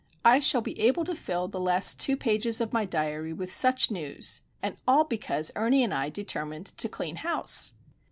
I shall be able to fill the last two pages of my diary with such news,—and all because Ernie and I determined to clean house!